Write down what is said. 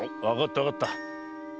わかったわかった。